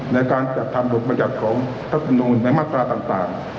ในการตัดธรรมพันธ์กรรมของรับหนุนในมาตราต่าง